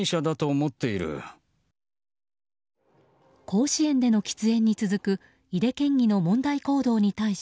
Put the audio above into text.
甲子園での喫煙に続く井手県議の問題行動に対し